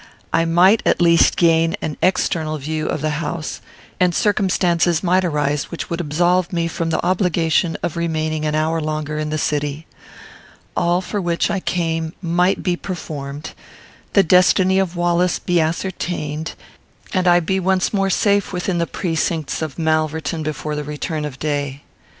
I might at least gain an external view of the house, and circumstances might arise which would absolve me from the obligation of remaining an hour longer in the city. All for which I came might be performed; the destiny of Wallace be ascertained; and I be once more safe within the precincts of Malverton before the return of day.